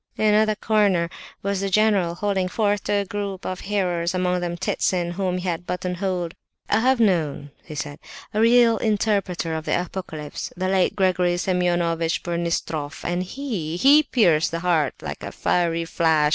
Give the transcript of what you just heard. In another corner was the general, holding forth to a group of hearers, among them Ptitsin, whom he had buttonholed. "I have known," said he, "a real interpreter of the Apocalypse, the late Gregory Semeonovitch Burmistroff, and he—he pierced the heart like a fiery flash!